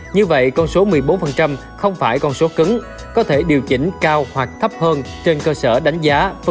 như vậy con số một mươi bốn không phải con số cứng